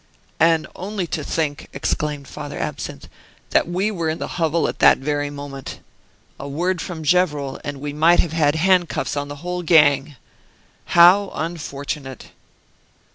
"And only to think," exclaimed Father Absinthe, "that we were in the hovel at that very moment. A word from Gevrol, and we might have had handcuffs on the whole gang! How unfortunate!"